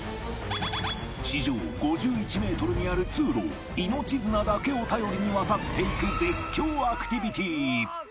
地上５１メートルにある通路を命綱だけを頼りに渡っていく絶叫アクティビティ